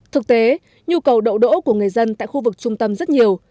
thực tế nhu cầu đậu đỗ của người dân tại khu vực trung tâm rất nhiều